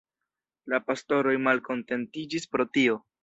La pastoroj malkontentiĝis pro tio.